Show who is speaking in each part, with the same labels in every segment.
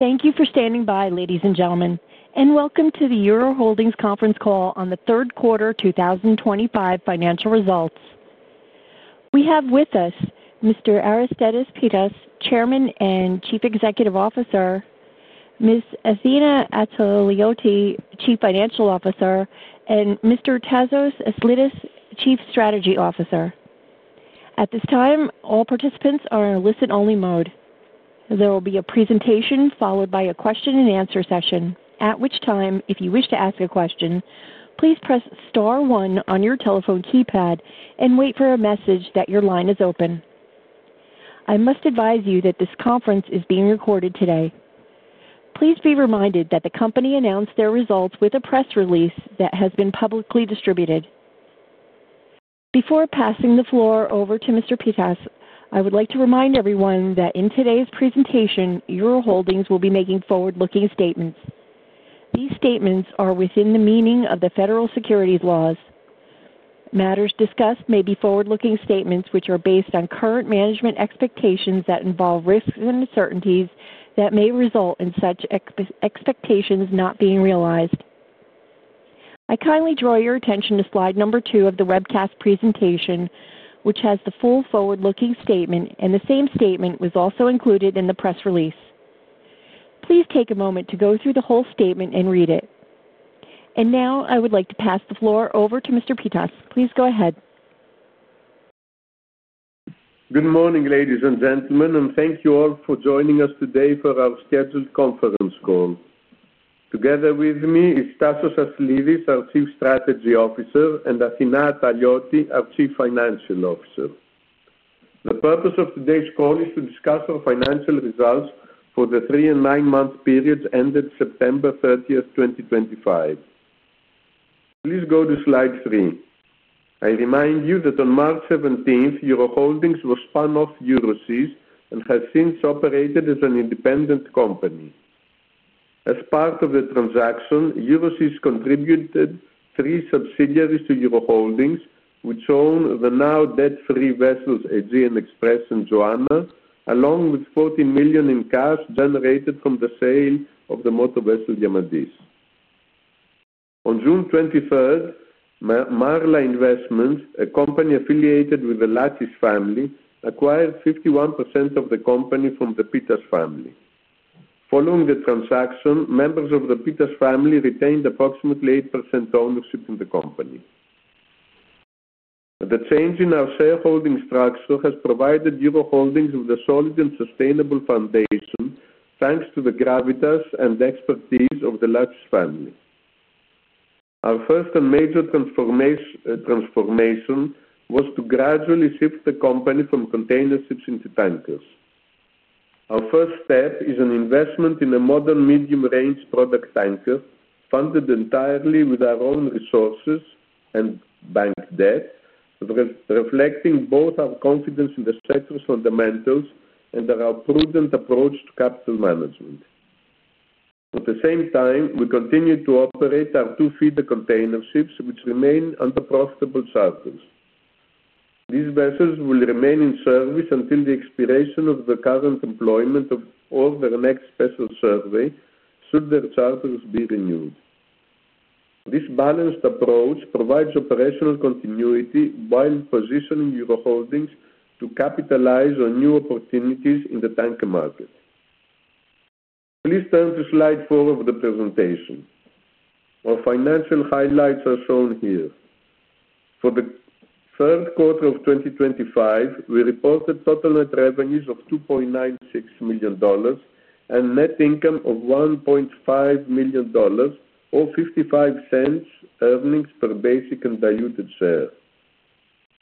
Speaker 1: Thank you for standing by, ladies and gentlemen, and welcome to the Euroholdings Conference call on the third quarter 2025 financial results. We have with us Mr. Aristides Pittas, Chairman and Chief Executive Officer; Ms. Athina Atalioti, Chief Financial Officer; and Mr. Tasos Aslidis, Chief Strategy Officer. At this time, all participants are in a listen-only mode. There will be a presentation followed by a question-and-answer session, at which time, if you wish to ask a question, please press star one on your telephone keypad and wait for a message that your line is open. I must advise you that this conference is being recorded today. Please be reminded that the company announced their results with a press release that has been publicly distributed. Before passing the floor over to Mr. Pittas, I would like to remind everyone that in today's presentation, Euroholdings will be making forward-looking statements. These statements are within the meaning of the federal securities laws. Matters discussed may be forward-looking statements which are based on current management expectations that involve risks and uncertainties that may result in such expectations not being realized. I kindly draw your attention to slide number two of the webcast presentation, which has the full forward-looking statement, and the same statement was also included in the press release. Please take a moment to go through the whole statement and read it. I would like to pass the floor over to Mr. Pittas. Please go ahead.
Speaker 2: Good morning, ladies and gentlemen, and thank you all for joining us today for our scheduled conference call. Together with me is Tasos Aslidis, our Chief Strategy Officer, and Athina Atalioti, our Chief Financial Officer. The purpose of today's call is to discuss our financial results for the three and nine-month period ended September 30, 2025. Please go to slide three. I remind you that on March 17, Euroholdings was spun off EuroSys and has since operated as an independent company. As part of the transaction, EuroSys contributed three subsidiaries to Euroholdings, which own the now debt-free vessels Aegean Express and Joanna, along with $14 million in cash generated from the sale of the motor vessel Diamantis. On June 23, Marla Investments, a company affiliated with the Lattice family, acquired 51% of the company from the Pittas family. Following the transaction, members of the Pittas family retained approximately 8% ownership in the company. The change in our shareholding structure has provided Euroholdings with a solid and sustainable foundation thanks to the gravitas and expertise of the Lattice family. Our first and major transformation was to gradually shift the company from container ships into tankers. Our first step is an investment in a modern medium-range product tanker, funded entirely with our own resources and bank debt, reflecting both our confidence in the sector's fundamentals and our prudent approach to capital management. At the same time, we continue to operate our two feeder container ships, which remain under profitable charters. These vessels will remain in service until the expiration of the current employment or their next special service should their charters be renewed. This balanced approach provides operational continuity while positioning Euroholdings to capitalize on new opportunities in the tanker market. Please turn to slide four of the presentation. Our financial highlights are shown here. For the third quarter of 2025, we reported total net revenues of $2.96 million and net income of $1.5 million, or $0.55 earnings per basic and diluted share.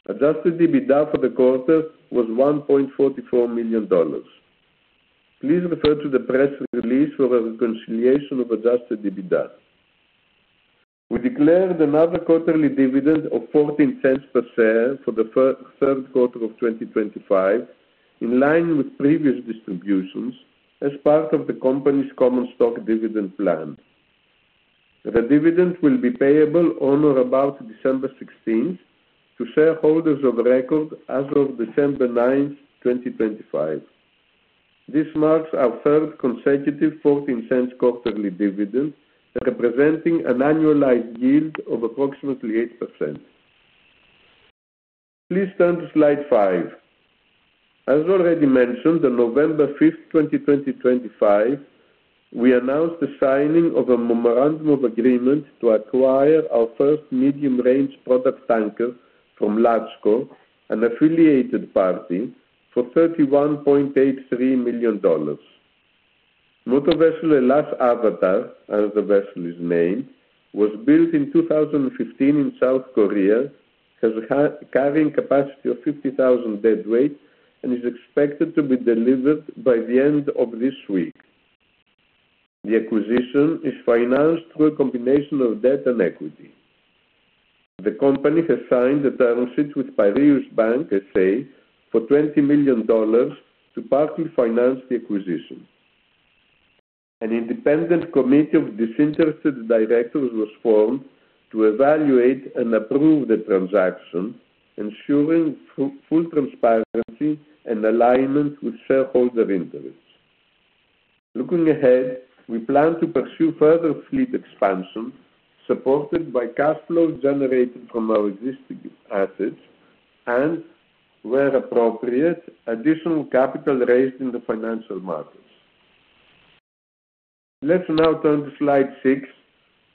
Speaker 2: Adjusted EBITDA for the quarter was $1.44 million. Please refer to the press release for a reconciliation of adjusted EBITDA. We declared another quarterly dividend of $0.14 per share for the third quarter of 2025, in line with previous distributions as part of the company's common stock dividend plan. The dividend will be payable on or about December 16th to shareholders of record as of December 9th, 2025. This marks our third consecutive $0.14 quarterly dividend, representing an annualized yield of approximately 8%. Please turn to slide five. As already mentioned, on November 5th, 2025, we announced the signing of a memorandum of agreement to acquire our first medium-range product tanker from Latsco, an affiliated party, for $31.83 million. Motor vessel HELLAS AVATAR, as the vessel is named, was built in 2015 in South Korea, has a carrying capacity of 50,000 deadweight, and is expected to be delivered by the end of this week. The acquisition is financed through a combination of debt and equity. The company has signed a term sheet with Piraeus Bank S.A. for $20 million to partly finance the acquisition. An independent committee of disinterested directors was formed to evaluate and approve the transaction, ensuring full transparency and alignment with shareholder interests. Looking ahead, we plan to pursue further fleet expansion, supported by cash flows generated from our existing assets and, where appropriate, additional capital raised in the financial markets. Let's now turn to slide six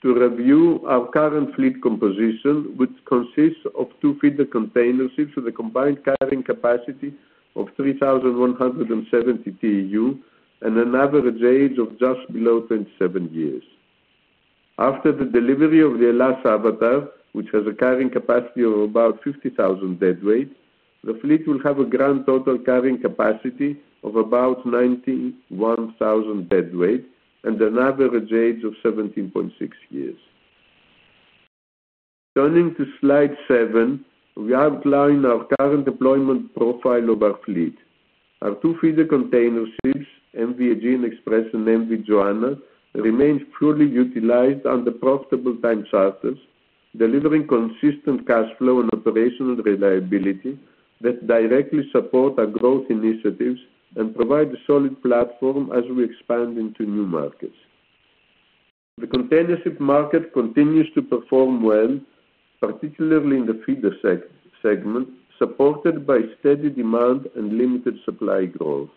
Speaker 2: to review our current fleet composition, which consists of two feeder container ships with a combined carrying capacity of 3,170 TEU and an average age of just below 27 years. After the delivery of the HELLAS AVATAR, which has a carrying capacity of about 50,000 deadweight, the fleet will have a grand total carrying capacity of about 91,000 deadweight and an average age of 17.6 years. Turning to slide seven, we outline our current employment profile of our fleet. Our two feeder container ships, M/V Aegean Express and M/V Joanna, remain fully utilized under profitable time charters, delivering consistent cash flow and operational reliability that directly support our growth initiatives and provide a solid platform as we expand into new markets. The container ship market continues to perform well, particularly in the feeder segment, supported by steady demand and limited supply growth.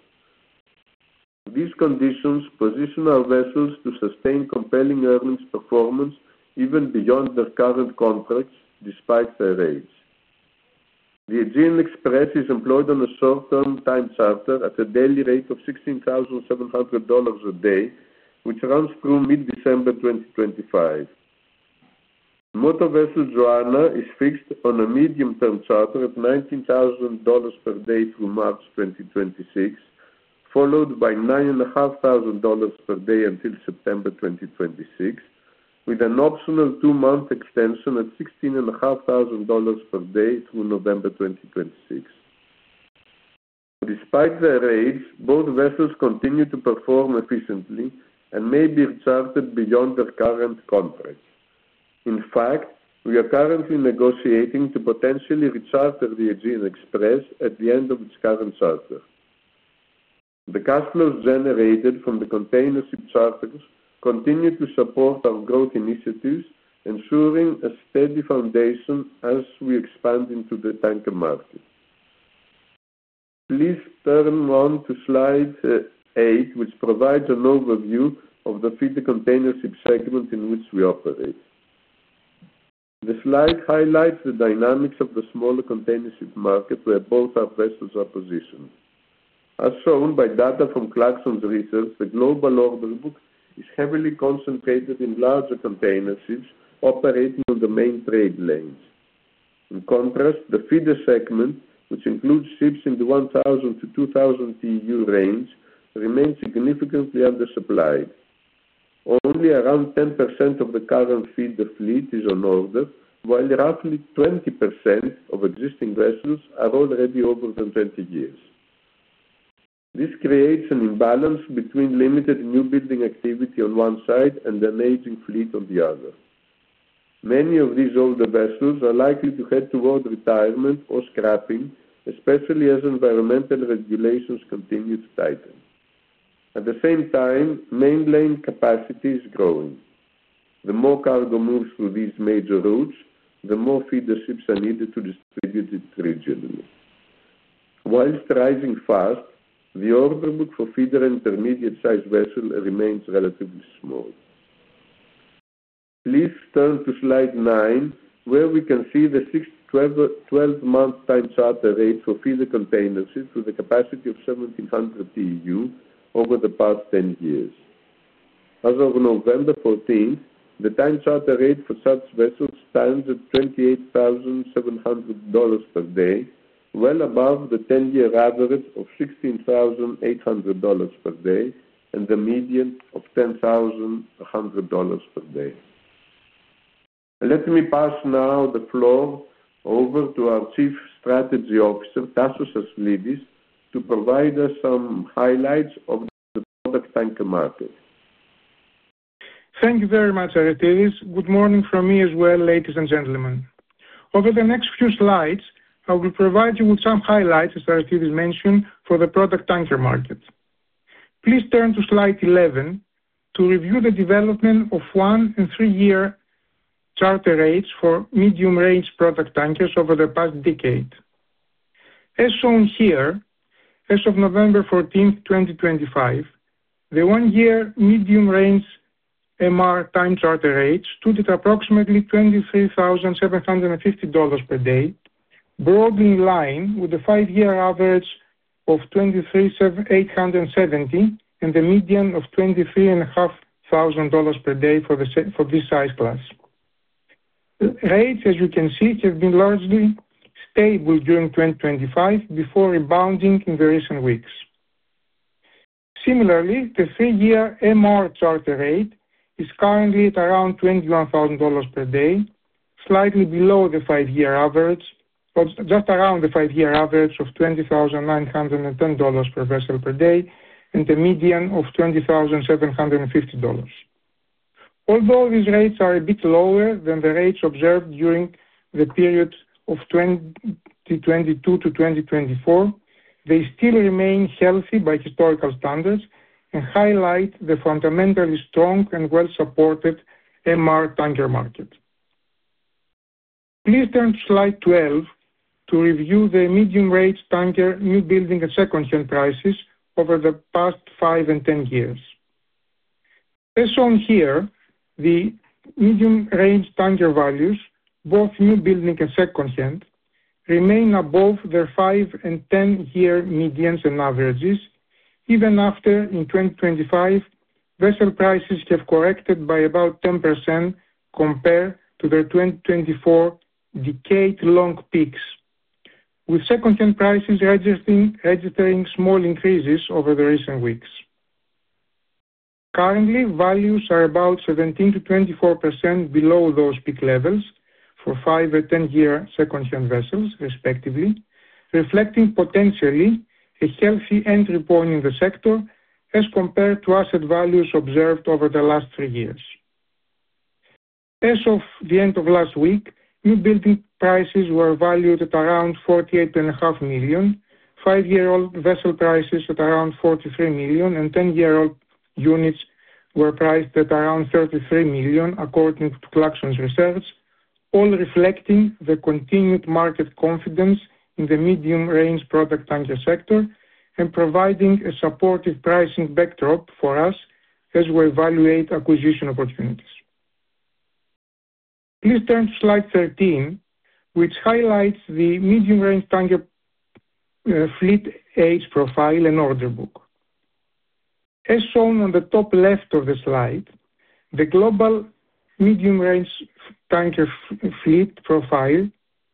Speaker 2: These conditions position our vessels to sustain compelling earnings performance even beyond their current contracts, despite their age. The Aegean Express is employed on a short-term time charter at a daily rate of $16,700 a day, which runs through mid-December 2025. Motor vessel Joanna is fixed on a medium-term charter at $19,000 per day through March 2026, followed by $9,500 per day until September 2026, with an optional two-month extension at $16,500 per day through November 2026. Despite their age, both vessels continue to perform efficiently and may be rechartered beyond their current contracts. In fact, we are currently negotiating to potentially recharter the Aegean Express at the end of its current charter. The cash flows generated from the container ship charters continue to support our growth initiatives, ensuring a steady foundation as we expand into the tanker market. Please turn on to slide eight, which provides an overview of the feeder container ship segment in which we operate. The slide highlights the dynamics of the smaller container ship market where both our vessels are positioned. As shown by data from Clarksons Research, the global order book is heavily concentrated in larger container ships operating on the main trade lanes. In contrast, the feeder segment, which includes ships in the 1,000-2,000 TEU range, remains significantly undersupplied. Only around 10% of the current feeder fleet is on order, while roughly 20% of existing vessels are already older than 20 years. This creates an imbalance between limited new building activity on one side and an aging fleet on the other. Many of these older vessels are likely to head toward retirement or scrapping, especially as environmental regulations continue to tighten. At the same time, main lane capacity is growing. The more cargo moves through these major routes, the more feeder ships are needed to distribute it regionally. While rising fast, the order book for feeder and intermediate-sized vessels remains relatively small. Please turn to slide nine, where we can see the six- to 12-month time charter rate for feeder container ships with a capacity of 1,700 TEU over the past 10 years. As of November 14, the time charter rate for such vessels stands at $28,700 per day, well above the 10-year average of $16,800 per day and the median of $10,100 per day. Let me pass now the floor over to our Chief Strategy Officer, Tasos Aslidis, to provide us some highlights of the product tanker market.
Speaker 3: Thank you very much, Aristides. Good morning from me as well, ladies and gentlemen. Over the next few slides, I will provide you with some highlights, as Aristides mentioned, for the product tanker market. Please turn to slide 11 to review the development of one- and three-year charter rates for medium-range product tankers over the past decade. As shown here, as of November 14th, 2025, the one-year medium-range MR time charter rate stood at approximately $23,750 per day, broadly in line with the five-year average of $23,870 and the median of $23,500 per day for this size class. Rates, as you can see, have been largely stable during 2025, before rebounding in the recent weeks. Similarly, the three-year MR charter rate is currently at around $21,000 per day, slightly below the five-year average, just around the five-year average of $20,910 per vessel per day and the median of $20,750. Although these rates are a bit lower than the rates observed during the period of 2022-2024, they still remain healthy by historical standards and highlight the fundamentally strong and well-supported MR tanker market. Please turn to slide 12 to review the medium-range tanker new building and second-hand prices over the past five and 10 years. As shown here, the medium-range tanker values, both new building and second-hand, remain above their five and 10-year medians and averages, even after, in 2025, vessel prices have corrected by about 10% compared to their 2024 decade-long peaks, with second-hand prices registering small increases over the recent weeks. Currently, values are about 17%-24% below those peak levels for five and 10-year second-hand vessels, respectively, reflecting potentially a healthy entry point in the sector as compared to asset values observed over the last three years. As of the end of last week, new building prices were valued at around $48.5 million, five-year-old vessel prices at around $43 million, and 10-year-old units were priced at around $33 million, according to Clarksons Research, all reflecting the continued market confidence in the medium-range product tanker sector and providing a supportive pricing backdrop for us as we evaluate acquisition opportunities. Please turn to slide 13, which highlights the medium-range tanker fleet age profile and order book. As shown on the top left of the slide, the global medium-range tanker fleet profile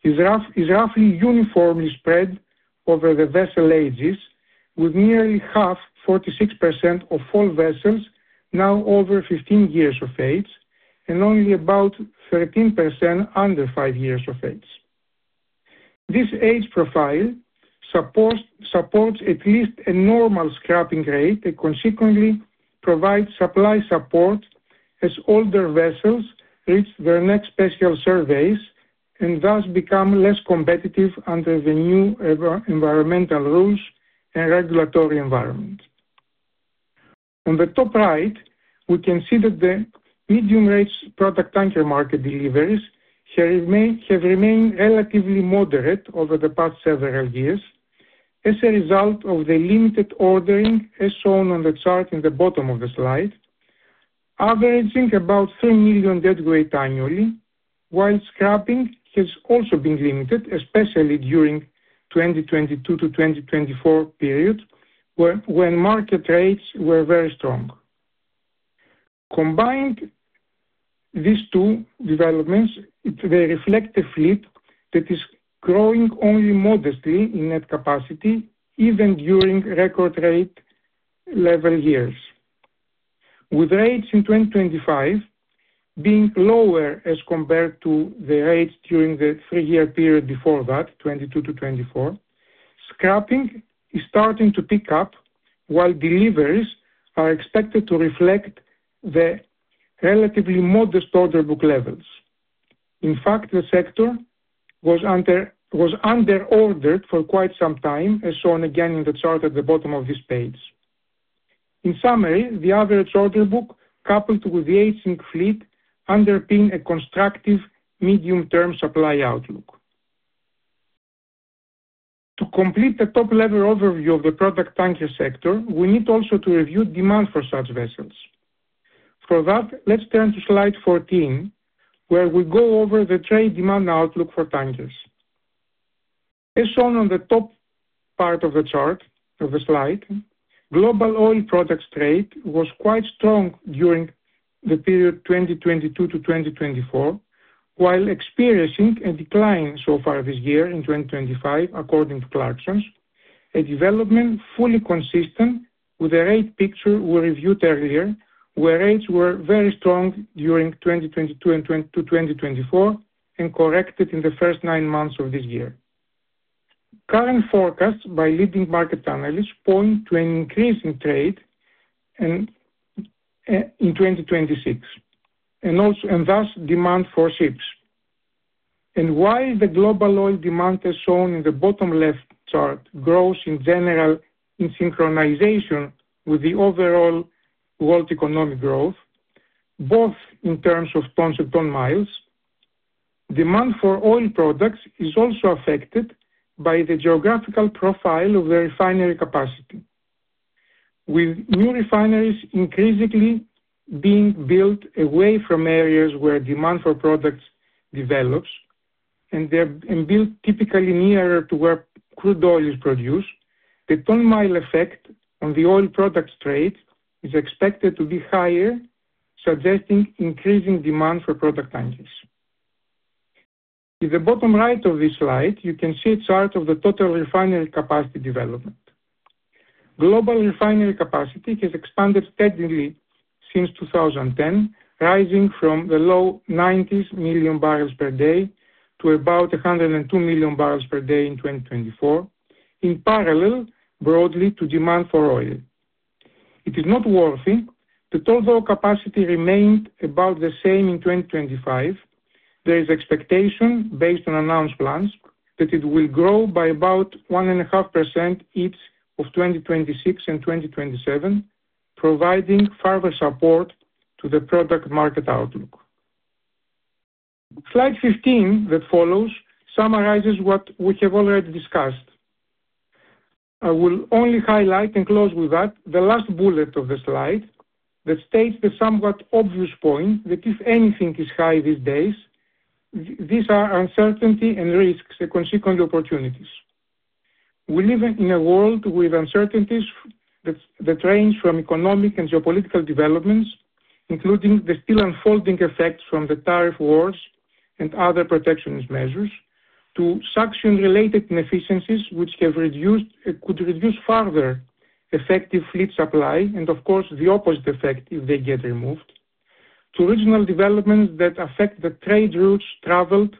Speaker 3: is roughly uniformly spread over the vessel ages, with nearly half, 46%, of all vessels now over 15 years of age and only about 13% under five years of age. This age profile supports at least a normal scrapping rate and consequently provides supply support as older vessels reach their next special surveys and thus become less competitive under the new environmental rules and regulatory environment. On the top right, we can see that the medium-range product tanker market deliveries have remained relatively moderate over the past several years as a result of the limited ordering, as shown on the chart in the bottom of the slide, averaging about 3 million deadweight annually, while scrapping has also been limited, especially during the 2022-2024 period when market rates were very strong. Combining these two developments, they reflect a fleet that is growing only modestly in net capacity, even during record rate-level years. With rates in 2025 being lower as compared to the rates during the three-year period before that, 2022-2024, scrapping is starting to pick up while deliveries are expected to reflect the relatively modest order book levels. In fact, the sector was under-ordered for quite some time, as shown again in the chart at the bottom of this page. In summary, the average order book coupled with the aging fleet underpin a constructive medium-term supply outlook. To complete the top-level overview of the product tanker sector, we need also to review demand for such vessels. For that, let's turn to slide 14, where we go over the trade demand outlook for tankers. As shown on the top part of the chart of the slide, global oil products trade was quite strong during the period 2022-2024, while experiencing a decline so far this year in 2025, according to Clarksons, a development fully consistent with the rate picture we reviewed earlier, where rates were very strong during 2022-2024 and corrected in the first nine months of this year. Current forecasts by leading market analysts point to an increase in trade in 2026 and thus demand for ships. While the global oil demand, as shown in the bottom left chart, grows in general in synchronization with the overall world economic growth, both in terms of tons and ton miles, demand for oil products is also affected by the geographical profile of the refinery capacity. With new refineries increasingly being built away from areas where demand for products develops and built typically nearer to where crude oil is produced, the ton mile effect on the oil products trade is expected to be higher, suggesting increasing demand for product tankers. In the bottom right of this slide, you can see a chart of the total refinery capacity development. Global refinery capacity has expanded steadily since 2010, rising from the low 90 million barrels per day to about 102 million barrels per day in 2024, in parallel broadly to demand for oil. It is noteworthy that although capacity remained about the same in 2025, there is expectation, based on announced plans, that it will grow by about 1.5% each of 2026 and 2027, providing further support to the product market outlook. Slide 15 that follows summarizes what we have already discussed. I will only highlight and close with that the last bullet of the slide that states the somewhat obvious point that if anything is high these days, these are uncertainty and risks and consequently opportunities. We live in a world with uncertainties that range from economic and geopolitical developments, including the still unfolding effects from the tariff wars and other protectionist measures, to sanction-related inefficiencies, which could reduce further effective fleet supply, and of course, the opposite effect if they get removed, to regional developments that affect the trade routes traveled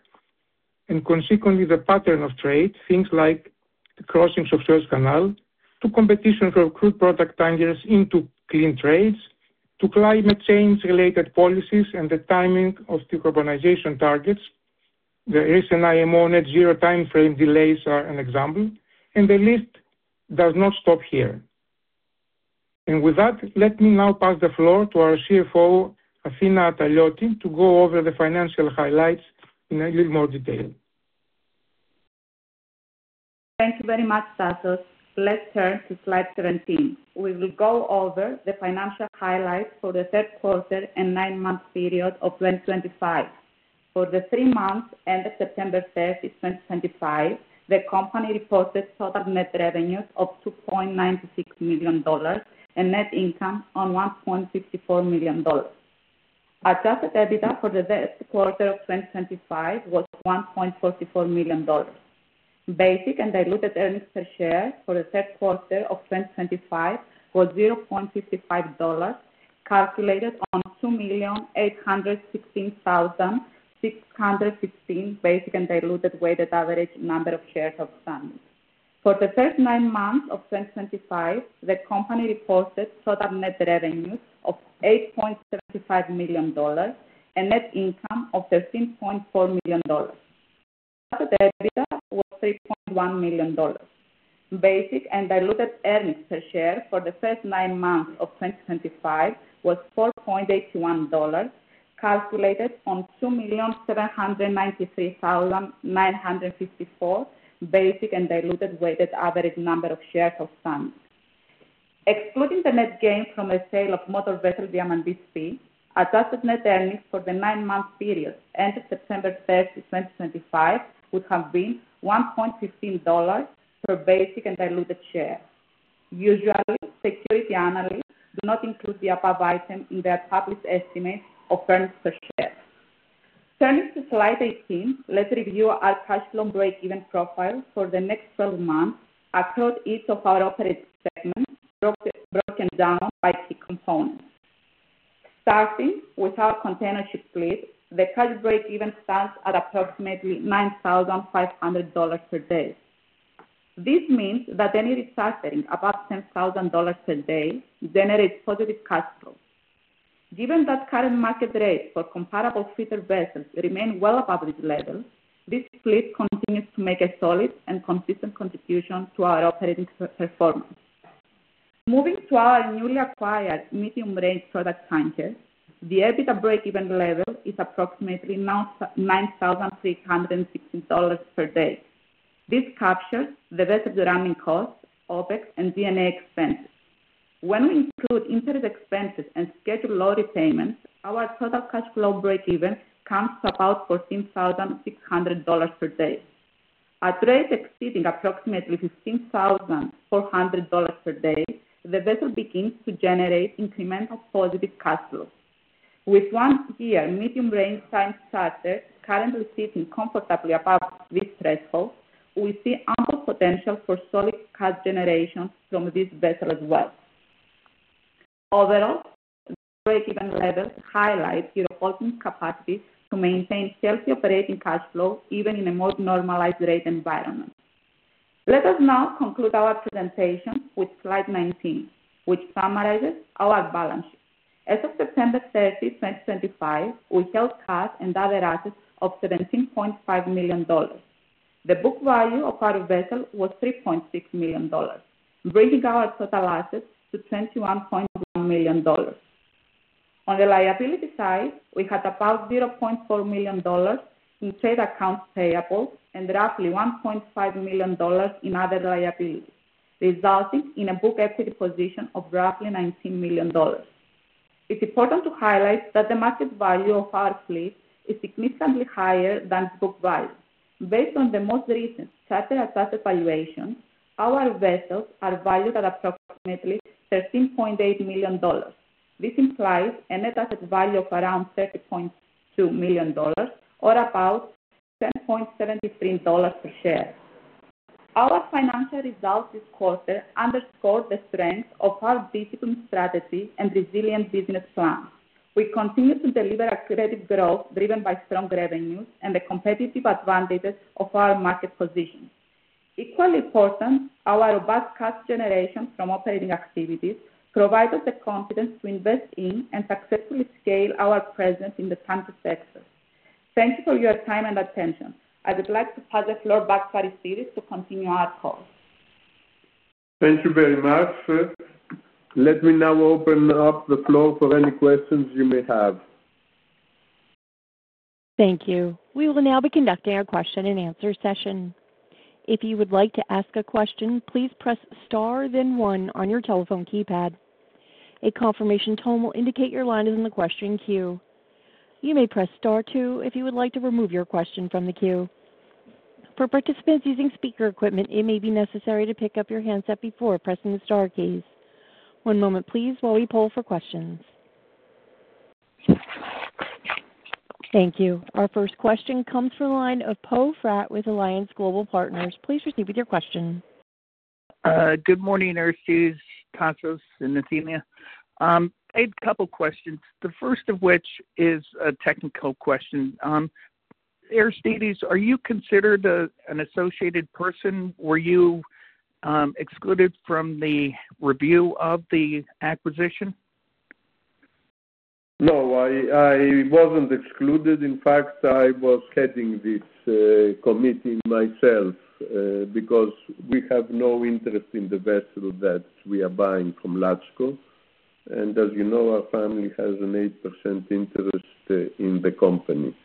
Speaker 3: and consequently the pattern of trade, things like the crossings of Suez Canal, to competition for crude product tankers into clean trades, to climate change-related policies and the timing of decarbonization targets. The recent IMO net zero timeframe delays are an example, and the list does not stop here. With that, let me now pass the floor to our CFO, Athina Atalioti, to go over the financial highlights in a little more detail.
Speaker 4: Thank you very much, Tasos. Let's turn to slide 17. We will go over the financial highlights for the third quarter and nine-month period of 2025. For the three months ended September 3rd, 2025, the company reported total net revenues of $2.96 million and net income of $1.54 million. Adjusted EBITDA for the third quarter of 2025 was $1.44 million. Basic and diluted earnings per share for the third quarter of 2025 was $0.55, calculated on 2,816,615 basic and diluted weighted average number of shares outstanding. For the first nine months of 2025, the company reported total net revenues of $8.75 million and net income of $13.4 million. Adjusted EBITDA was $3.1 million. Basic and diluted earnings per share for the first nine months of 2025 was $4.81, calculated on 2,793,954 basic and diluted weighted average number of shares outstanding. Excluding the net gain from the sale of motor vessel Diamantis, adjusted net earnings for the nine-month period ended September 3rd, 2025, would have been $1.15 per basic and diluted share. Usually, security analysts do not include the above item in their published estimates of earnings per share. Turning to slide 18, let's review our cash loan break-even profile for the next 12 months across each of our operating segments, broken down by key components. Starting with our container ship fleet, the cash break-even stands at approximately $9,500 per day. This means that any recycling above $10,000 per day generates positive cash flow. Given that current market rates for comparable feeder vessels remain well above this level, this fleet continues to make a solid and consistent contribution to our operating performance. Moving to our newly acquired medium-range product tankers, the EBITDA break-even level is approximately now $9,316 per day. This captures the vessel's running costs, OpEx, and D&A expenses. When we include interest expenses and scheduled loyalty payments, our total cash flow break-even comes to about $14,600 per day. At rates exceeding approximately $15,400 per day, the vessel begins to generate incremental positive cash flow. With one-year medium-range time charter currently sitting comfortably above this threshold, we see ample potential for solid cash generation from this vessel as well. Overall, the break-even levels highlight Euroholdings' capacity to maintain healthy operating cash flow even in a more normalized rate environment. Let us now conclude our presentation with slide 19, which summarizes our balance sheet. As of September 30, 2025, we held cash and other assets of $17.5 million. The book value of our vessel was $3.6 million, bringing our total assets to $21.1 million. On the liability side, we had about $0.4 million in trade accounts payable and roughly $1.5 million in other liabilities, resulting in a book equity position of roughly $19 million. It's important to highlight that the market value of our fleet is significantly higher than its book value. Based on the most recent charter-adjusted valuation, our vessels are valued at approximately $13.8 million. This implies a net asset value of around $30.2 million, or about $10.73 per share. Our financial results this quarter underscored the strength of our discipline strategy and resilient business plan. We continue to deliver accredited growth driven by strong revenues and the competitive advantages of our market position. Equally important, our robust cash generation from operating activities provides us the confidence to invest in and successfully scale our presence in the tanker sector. Thank you for your time and attention. I would like to pass the floor back to Aristides to continue our call.
Speaker 2: Thank you very much. Let me now open up the floor for any questions you may have.
Speaker 1: Thank you. We will now be conducting a question-and-answer session. If you would like to ask a question, please press star, then one on your telephone keypad. A confirmation tone will indicate your line is in the question queue. You may press star two if you would like to remove your question from the queue. For participants using speaker equipment, it may be necessary to pick up your handset before pressing the star keys. One moment, please, while we pull for questions. Thank you. Our first question comes from the line of Poe Fratt with Alliance Global Partners. Please proceed with your question.
Speaker 5: Good morning, Aristides, Tasos, and Athina. I have a couple of questions, the first of which is a technical question. Aristides, are you considered an associated person? Were you excluded from the review of the acquisition?
Speaker 2: No, I wasn't excluded. In fact, I was heading this committee myself because we have no interest in the vessel that we are buying from Latsco. As you know, our family has an 8% interest in the company.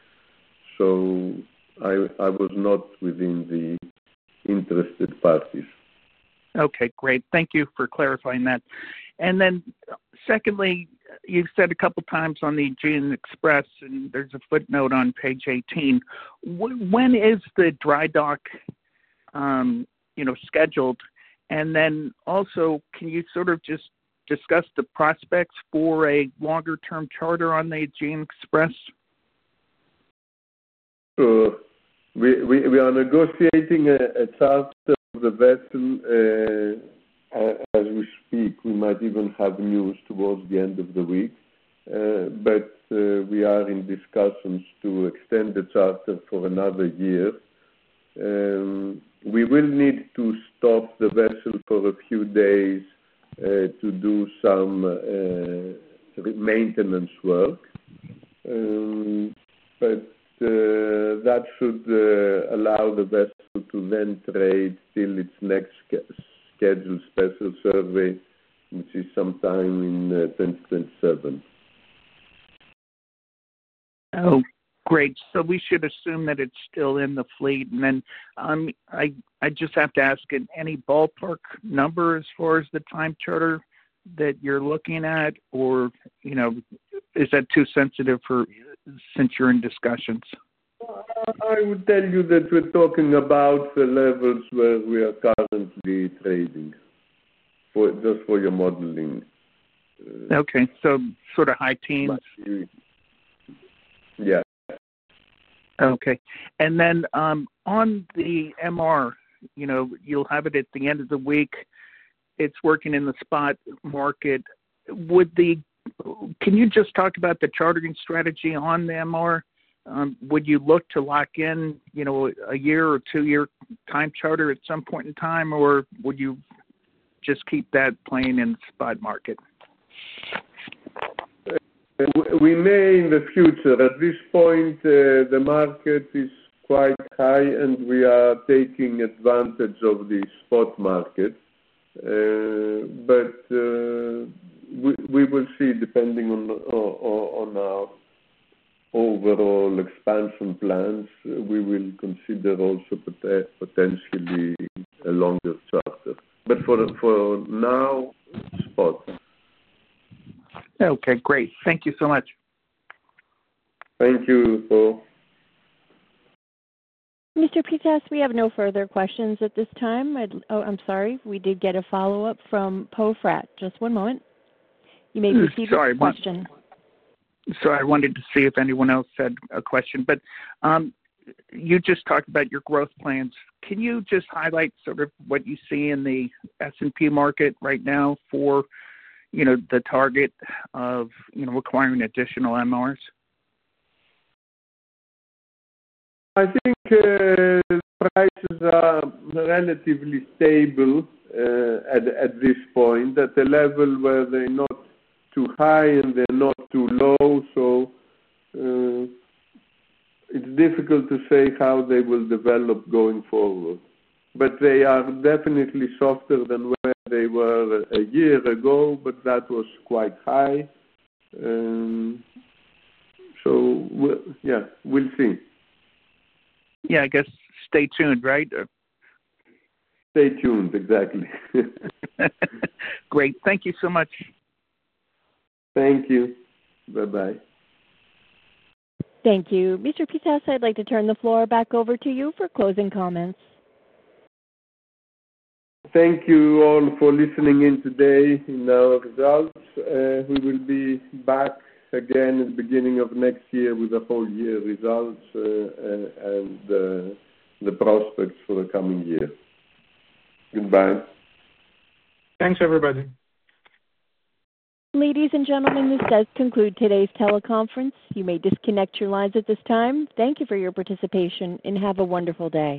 Speaker 2: I was not within the interested parties.
Speaker 5: Okay. Great. Thank you for clarifying that. Then secondly, you've said a couple of times on the Joanna, and there's a footnote on page 18. When is the dry dock scheduled? Also, can you sort of just discuss the prospects for a longer-term charter on the Joanna?
Speaker 2: We are negotiating a charter of the vessel as we speak. We might even have news towards the end of the week. We are in discussions to extend the charter for another year. We will need to stop the vessel for a few days to do some maintenance work. That should allow the vessel to then trade till its next scheduled special service, which is sometime in 2027.
Speaker 5: Oh, great. We should assume that it's still in the fleet. I just have to ask, any ballpark number as far as the time charter that you're looking at, or is that too sensitive since you're in discussions?
Speaker 2: I would tell you that we're talking about the levels where we are currently trading, just for your modeling.
Speaker 5: Okay. So sort of high teens?
Speaker 2: Yeah.
Speaker 5: Okay. On the MR, you'll have it at the end of the week. It's working in the spot market. Can you just talk about the chartering strategy on the MR? Would you look to lock in a one- or two-year time charter at some point in time, or would you just keep that playing in the spot market?
Speaker 2: We may in the future. At this point, the market is quite high, and we are taking advantage of the spot market. We will see depending on our overall expansion plans. We will consider also potentially a longer charter. For now, spot.
Speaker 5: Okay. Great. Thank you so much.
Speaker 2: Thank you, Poe.
Speaker 1: Mr. Pittas, we have no further questions at this time. Oh, I'm sorry. We did get a follow-up from Poe Fratt. Just one moment. You may be receiving a question.
Speaker 5: Sorry. Sorry. I wanted to see if anyone else had a question. You just talked about your growth plans. Can you just highlight sort of what you see in the S&P market right now for the target of acquiring additional MRs?
Speaker 2: I think prices are relatively stable at this point, at a level where they're not too high and they're not too low. It is difficult to say how they will develop going forward. They are definitely softer than where they were a year ago, but that was quite high. Yeah, we'll see.
Speaker 5: Yeah. I guess stay tuned, right?
Speaker 2: Stay tuned. Exactly.
Speaker 5: Great. Thank you so much.
Speaker 2: Thank you. Bye-bye.
Speaker 1: Thank you. Mr. Pittas, I'd like to turn the floor back over to you for closing comments.
Speaker 2: Thank you all for listening in today in our results. We will be back again at the beginning of next year with the whole-year results and the prospects for the coming year. Goodbye.
Speaker 5: Thanks, everybody.
Speaker 1: Ladies and gentlemen, this does conclude today's teleconference. You may disconnect your lines at this time. Thank you for your participation and have a wonderful day.